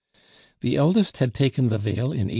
The eldest had taken the veil in 1822.